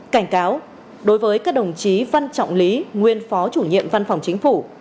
cảnh cáo đối với các đồng chí văn trọng lý nguyên phó chủ nhiệm văn phòng chính phủ